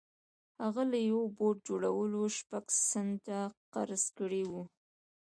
هغه له یوه بوټ جوړوونکي شپږ سنټه قرض کړي وو